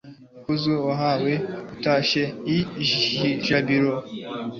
ikuzo wahawe utashye i jabiro